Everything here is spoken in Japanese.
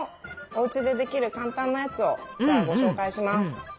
おうちでできる簡単なやつをじゃあご紹介します。